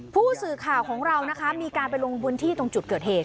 ผู้สื่อข่าวของเรานะคะมีการไปลงพื้นที่ตรงจุดเกิดเหตุ